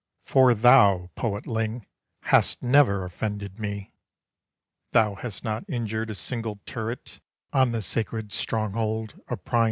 For thou, Poetling, hast never offended me, Thou hast not injured a single turret On the sacred stronghold of Priam.